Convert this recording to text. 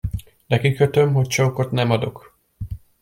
De kikötöm, hogy csókot nem adok!